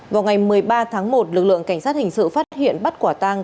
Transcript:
vào ngày một mươi ba tháng một lực lượng cảnh sát hình sự phát hiện bắt quả tang